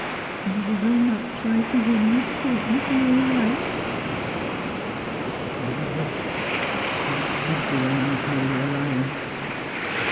' And you will not try to win Miss Courtenay for your wife ?'' No. That would be an unholy alliance.'